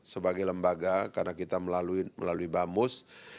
sebagai lembaga karena kita melalui bamus